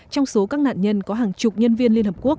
trong số các nạn nhân có hàng chục nhân viên liên hợp quốc